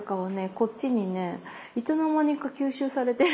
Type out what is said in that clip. こっちにねいつの間にか吸収されているんですよ。